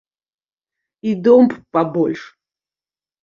І дом б пабольш.